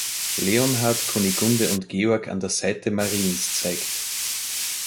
Leonhard, Kunigunde und Georg an der Seite Mariens zeigt.